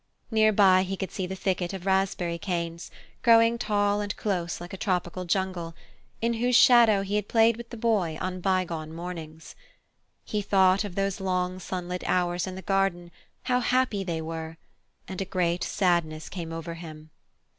Near by he could see the thicket of raspberry canes, growing tall and close like a tropical jungle, in whose shadow he had played with the Boy on bygone mornings. He thought of those long sunlit hours in the garden how happy they were and a great sadness came over him.